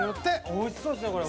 おいしそうですねこれ。